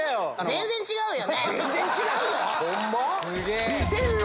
全然違うよ！